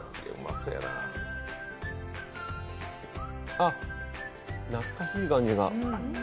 あっ、懐かしい感じが。